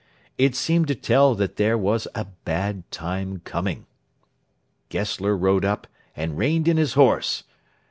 It seemed to Tell that there was a bad time coming. Gessler rode up, and reined in his horse.